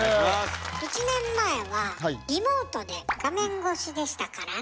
１年前はリモートで画面越しでしたからね。